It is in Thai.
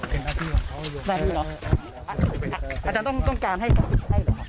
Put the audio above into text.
เป็นหน้าที่ของเขาอาจารย์ต้องต้องการให้ให้หรือครับ